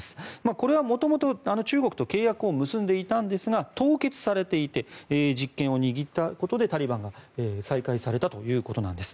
これはもともと、中国と契約を結んでいたんですが凍結されていてタリバンが実権を握ったことで再開されたということなんです。